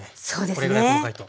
これぐらい細かいと。